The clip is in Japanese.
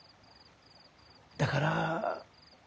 だから。